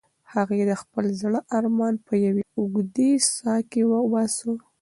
هغې د خپل زړه ارمان په یوې اوږدې ساه کې وباسه.